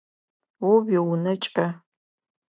О уиунэ кӏэ.